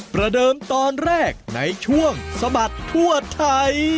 ประเดิมตอนแรกในช่วงสะบัดทั่วไทย